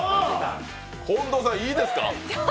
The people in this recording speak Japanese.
近藤さん、いいですか？